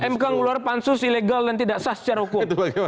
mk ngeluar pansus ilegal dan tidak sah secara hukum